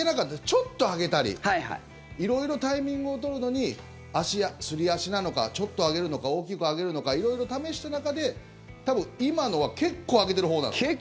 ちょっと上げたり色々タイミングを取るのにすり足なのかちょっと上げるのか大きく上げるのか色々試した中で多分、今のは結構上げてるほうなんです。